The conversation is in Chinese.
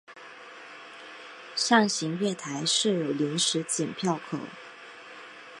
上行月台设有临时剪票口。